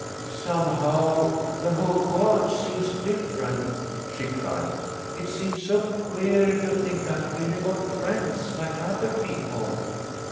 " Some how the whole world seems different," she cried. " It seems so queer to think I've really got friends like other people."